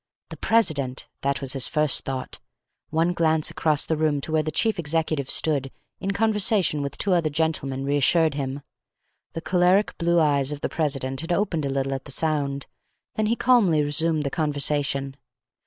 The president! That was his first thought. One glance across the room to where the chief executive stood, in conversation with two other gentlemen, reassured him. The choleric blue eyes of the president had opened a little at the sound, then he calmly resumed the conversation.